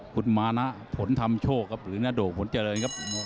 คุณมานะผลทำโชคครับหรือนาโดกผลเจริญครับ